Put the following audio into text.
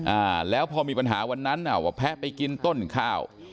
อ่าแล้วพอมีปัญหาวันนั้นอ่ะว่าแพะไปกินต้นข้าว